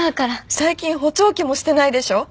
最近補聴器もしてないでしょ？